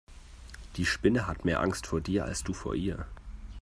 Die Spinne hat mehr Angst vor dir als du vor ihr.